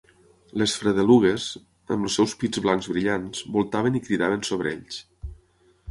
Les fredelugues, amb els seus pits blancs brillants, voltaven i cridaven sobre ells.